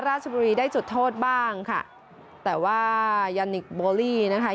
ราชบุรีได้จุดโทษบ้างค่ะแต่ว่ายานิคโบลี่นะคะ